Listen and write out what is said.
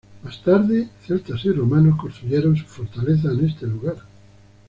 Más tarde, celtas y romanos construyeron su fortaleza en este lugar.